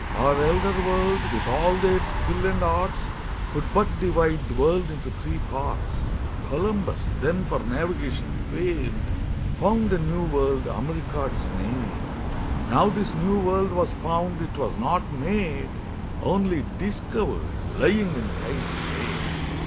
Our Elder World, with all their Skill and Arts, Could but divide the World into three Parts: Columbus, then for Navigation fam'd, Found a new World, America 'tis nam'd; Now this new World was found, it was not made, Onely discovered, lying in Time's shade.